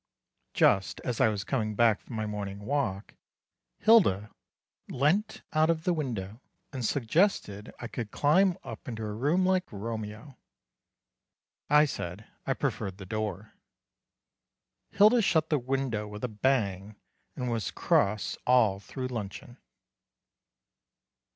Just as I was coming back from my morning walk, Hilda leant out of the window, and suggested I could climb up into her room like Romeo. I said I preferred the door. Hilda shut the window with a bang and was cross all through luncheon.